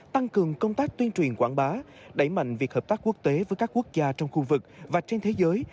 tăng cường công tác tuyên truyền quảng bá đẩy mạnh việc hợp tác quốc tế với các quốc gia trong khu vực và trên thế giới